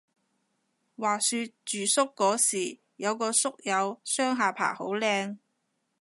話說住宿嗰時有個宿友雙下巴好靚